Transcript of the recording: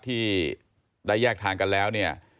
ที่ได้แยกทางกันแล้วเนี่ย